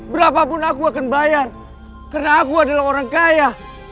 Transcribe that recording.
berapapun aku akan bayar karena aku adalah orang kaya